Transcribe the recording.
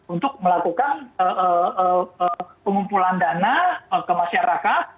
untuk melakukan pengumpulan dana ke masyarakat